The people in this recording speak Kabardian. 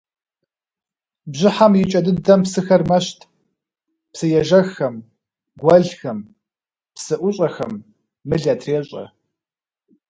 Бжьыхьэм и кӏэ дыдэм псыхэр мэщт – псыежэххэм, гуэлхэм, псыӏущӏэхэм мыл ятрещӏэ.